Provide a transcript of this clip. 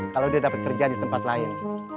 kalo dia dapet kerja di tempat lain